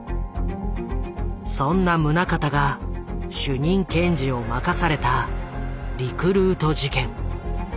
そんな宗像が主任検事を任されたリクルート事件。